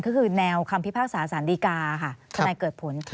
ก็คือแนวคำพิพากษาสารดีกาค่ะทนายเกิดผล